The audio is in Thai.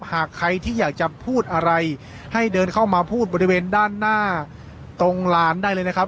หากใครที่อยากจะพูดอะไรให้เดินเข้ามาพูดบริเวณด้านหน้าตรงลานได้เลยนะครับ